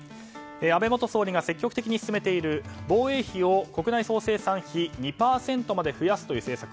安倍元総理が積極的に進めている防衛費を国内総生産比２％まで増やす計画